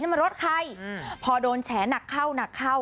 มันรถใครพอโดนแฉหนักเข้าหนักเข้า